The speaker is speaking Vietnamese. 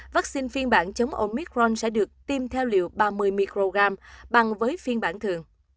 vaccine phiên bản chống omicron sẽ được tiêm theo liệu ba mươi microgram bằng với phiên bản thường